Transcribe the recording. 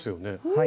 はい。